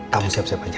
kamu siap siap aja